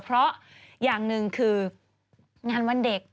เพราะอย่างหนึ่งคืองานวันเด็ก